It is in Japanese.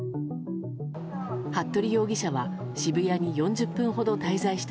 服部容疑者は渋谷に４０分ほど滞在した